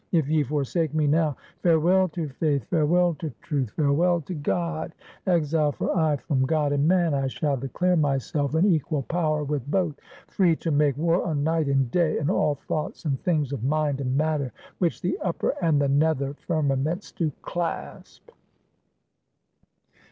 If ye forsake me now, farewell to Faith, farewell to Truth, farewell to God; exiled for aye from God and man, I shall declare myself an equal power with both; free to make war on Night and Day, and all thoughts and things of mind and matter, which the upper and the nether firmaments do clasp!